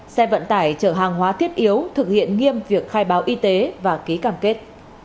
xe vận tải chở hàng hóa thiết yếu thực hiện nghiêm việc khai báo y tế và ký cam kết